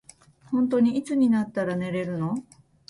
ほんとにいつになったら寝れるの。